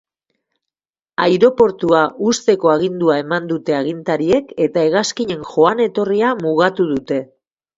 Aireportua husteko agindua eman dute agintariek, eta hegazkinen joan-etorria mugatu dute.